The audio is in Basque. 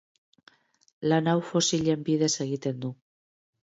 Lan hau fosilen bidez egiten du.